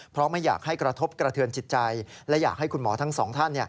เพราะไม่อยากให้กระทบกระเทือนจิตใจและอยากให้คุณหมอทั้งสองท่าน